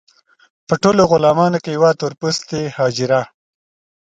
په ټولو غلامانو کې یوه تور پوستې حاجره.